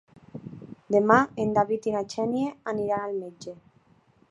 Demà en David i na Xènia aniran al metge.